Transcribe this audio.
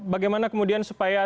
bagaimana kemudian supaya